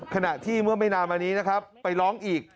ขณะที่เมื่อไม่นานมานี้นะครับไปร้องอีก